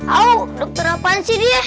oh dokter apaan sih dia